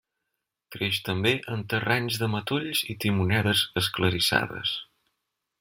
Creix també en terrenys de matolls i timonedes esclarissades.